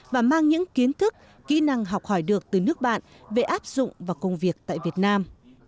và mang những kiến thức kỹ năng học hỏi được từ nước bạn về áp dụng và công việc tại việt nam